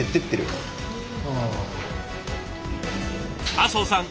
麻生さん